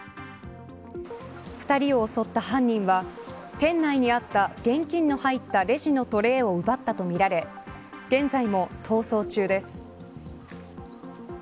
２人を襲った犯人は店内にあった現金の入ったレジのトレーを奪ったとみられ現在も逃走中です。